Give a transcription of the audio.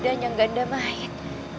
dan yang ganda main